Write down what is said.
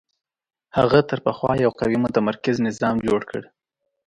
هغه تر پخوا یو قوي متمرکز نظام جوړ کړ